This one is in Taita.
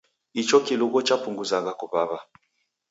Icho kilungo chapunguzagha kuw'aw'a.